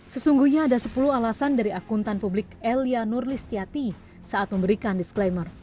sesungguhnya ada sepuluh alasan dari akuntan publik elia nurlistiati saat memberikan disclaimer